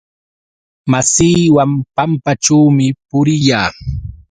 Masiiwan pampaćhuumi puriyaa.